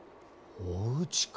おうちか。